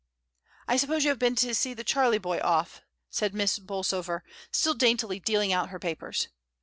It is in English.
"I suppose you have been to see the Charlieboy off," says Miss Bolsover, still daintily dealing out her papers.